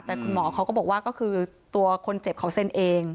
แต่คุณหมอเขาก็บอกว่าก็คือตัวคนเจ็บเขาเซ็นเอง